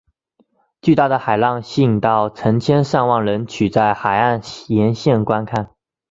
巨大的海浪吸引到成千上万人取在海岸沿线观看。